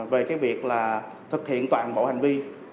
về việc thực hiện toàn bộ hành vi